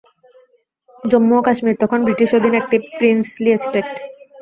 জম্মু ও কাশ্মীর তখন ব্রিটিশ অধীন একটি প্রিন্সলি এস্টেট।